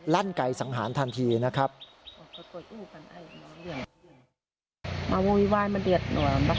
ลั่นไกลสังหารทันทีนะครับ